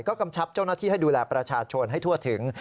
ก็กำชับเจ้าหน้าที่ให้ดูแลประชาชนให้ทั่วถึง